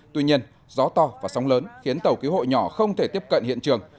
tuy nhiên gió to và sóng lớn khiến tàu cứu hộ nhỏ không thể tiếp cận hiện trường